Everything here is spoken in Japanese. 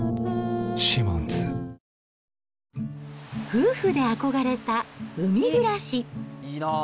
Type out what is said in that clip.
夫婦で憧れた海暮らし。